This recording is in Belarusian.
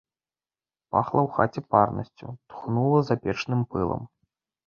Пахла ў хаце парнасцю, тхнула запечным пылам.